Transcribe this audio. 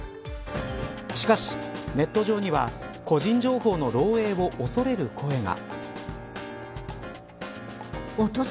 しかし、ネット上には個人情報の漏えいを恐れる声が。